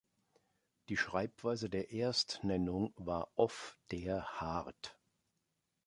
Die Schreibweise der Erstnennung war "Off der Hardt".